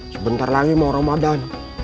sebentar lagi mau ramadan